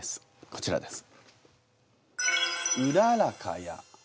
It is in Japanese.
こちらです。